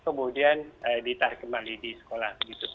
kemudian ditarik kembali di sekolah